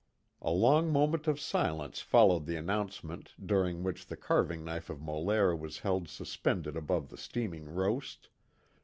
A long moment of silence followed the announcement during which the carving knife of Molaire was held suspended above the steaming roast.